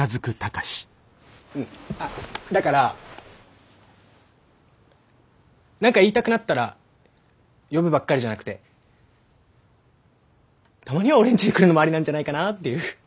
うんあだから何か言いたくなったら呼ぶばっかりじゃなくてたまには俺んちに来るのもありなんじゃないかなっていう。